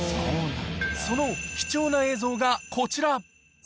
その貴重な映像がこちら。